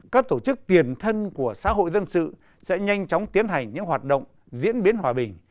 các tổ chức tiền thân của xã hội dân sự sẽ nhanh chóng tiến hành những hoạt động diễn biến hòa bình